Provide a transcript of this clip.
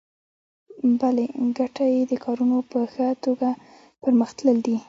بله ګټه یې د کارونو په ښه توګه پرمخ تلل دي.